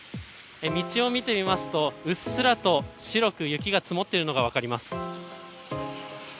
道を見てみますと、うっすらと白く雪が積もっているのが分かります。